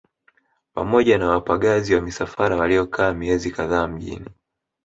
Pamoja na wapagazi wa misafara waliokaa miezi kadhaa mjini